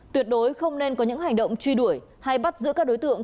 tuyệt đối không nên có những hành động truy đuổi hay bắt giữ các đối tượng